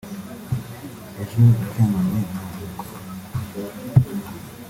ejo naryamanye na nyoko